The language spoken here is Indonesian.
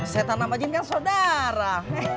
setan nama jin kan sodara